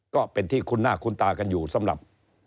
ก็เป็นที่คุ้นหน้าคุ้นตากันอยู่สำหรับ